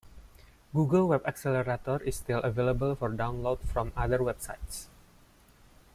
Google Web Accelerator is still available for download from other websites.